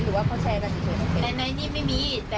อืม